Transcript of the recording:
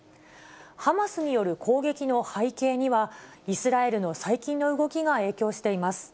ハマスによる攻撃の背景には、イスラエルの最近の動きが影響しています。